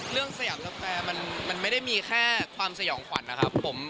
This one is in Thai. เรื่องสยองแฟมันไม่ได้มีแค่ความสยองขวัญนะครับ